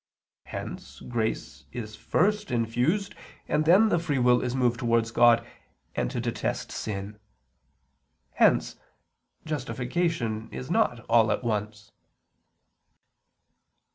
Hence grace is first infused, and then the free will is moved towards God and to detest sin. Hence justification is not all at once.